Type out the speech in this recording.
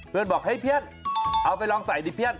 บอกเฮ้ยเพี้ยนเอาไปลองใส่ดีเพี้ยน